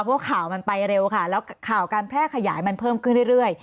เพราะข่าวมันไปเร็วค่ะแล้วข่าวการแพร่ขยายมันเพิ่มขึ้นเรื่อย